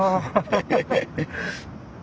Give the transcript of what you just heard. ハハハッ。